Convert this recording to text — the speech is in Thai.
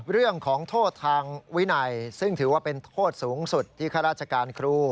เรื่องของโทษทางวินัยซึ่งถือว่าเป็นโทษสูงสุดที่ข้าราชการครู